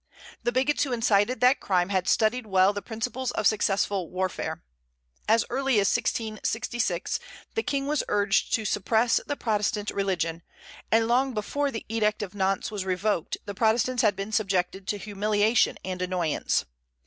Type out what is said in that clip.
The bigots who incited that crime had studied well the principles of successful warfare. As early as 1666 the King was urged to suppress the Protestant religion, and long before the Edict of Nantes was revoked the Protestants had been subjected to humiliation and annoyance.